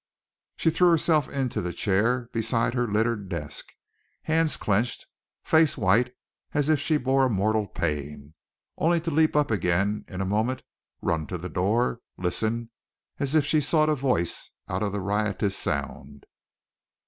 She threw herself into the chair beside her littered desk, hands clenched, face white as if she bore a mortal pain, only to leap up again in a moment, run to the door, and listen as if she sought a voice out of the riotous sound.